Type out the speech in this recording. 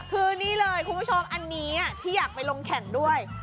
คือนี่เลยคุณผู้ชมอันนี้ที่อยากไปลงแข่งด้วย